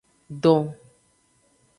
Don.